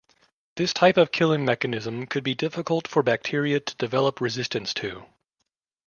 This type of killing mechanism could be difficult for bacteria to develop resistance to.